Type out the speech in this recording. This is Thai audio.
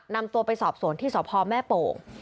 นำตัวไปสอบสวนที่สพแม่โป่ง